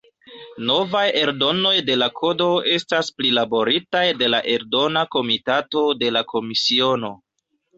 Novaj eldonoj de la Kodo estas prilaboritaj de la Eldona Komitato de la Komisiono.